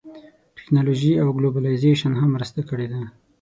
ټیکنالوژۍ او ګلوبلایزېشن هم مرسته کړې ده